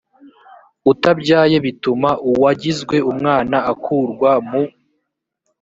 utabyaye bituma uwagizwe umwana akurwa mu